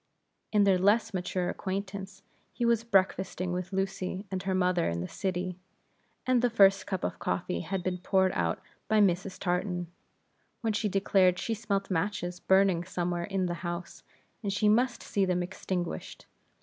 In their less mature acquaintance, he was breakfasting with Lucy and her mother in the city, and the first cup of coffee had been poured out by Mrs. Tartan, when she declared she smelt matches burning somewhere in the house, and she must see them extinguished.